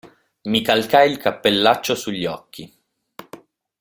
Mi calcai il cappellaccio su gli occhi.